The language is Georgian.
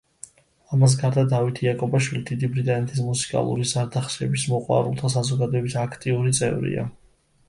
ამას გარდა, დავით იაკობაშვილი დიდი ბრიტანეთის მუსიკალური ზარდახშების მოყვარულთა საზოგადოების აქტიური წევრია.